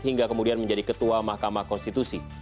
hingga kemudian menjadi ketua mahkamah konstitusi